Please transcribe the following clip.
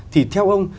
thì theo ông